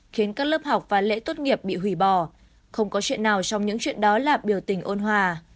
khiến các lớp học và lễ tốt nghiệp bị hủy bỏ không có chuyện nào trong những chuyện đó là biểu tình ôn hòa